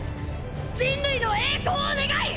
人類の栄光を願い！